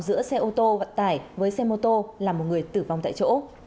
giữa xe ô tô vận tải với xe mô tô làm một người tử vong tại chỗ